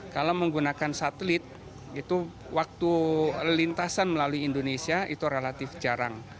kalau menggunakan satelit itu waktu lintasan melalui indonesia itu relatif jarang